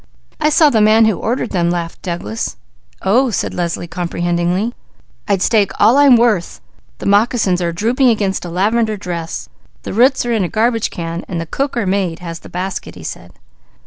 "I saw the man who ordered them," laughed Douglas. "Oh!" cried Leslie, comprehendingly. "I'd stake all I'm worth the moccasins are drooping against a lavender dress; the roots are in the garbage can, while the cook or maid has the basket," he said.